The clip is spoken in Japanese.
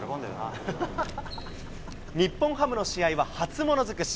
日本ハムの試合は初物尽くし。